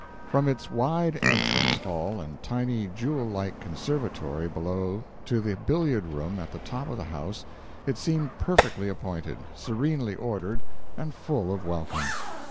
From its wide entrance hall and tiny, jewel like conservatory below to the billiard room at the top of the house, it seemed perfectly appointed, serenely ordered, and full of welcome.